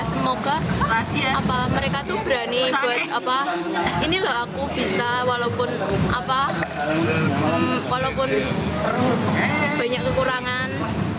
semoga mereka tuh berani buat apa ini loh aku bisa walaupun banyak kekurangan